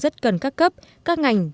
rất cần các cấp các ngành